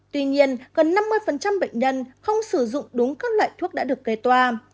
tuy nhiên gần năm mươi bệnh nhân không sử dụng đúng các loại thuốc đã được cây toa